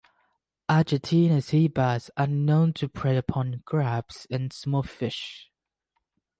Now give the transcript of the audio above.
Argentine seabass are known to prey upon crabs and small fish.